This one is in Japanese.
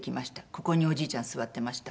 「ここにおじいちゃん座ってました」。